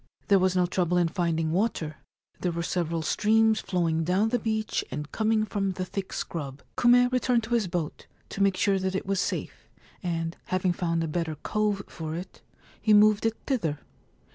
There was no trouble in finding water : there were several streams flowing down the beach and coming from the thick scrub. Kume returned to his boat, to make sure that it was safe, and, having found a better cove for it, he moved it thither.